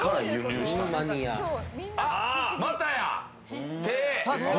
またや、手！